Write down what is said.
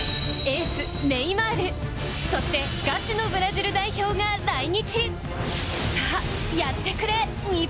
エース、ネイマール、そしてガチのブラジル代表が来日。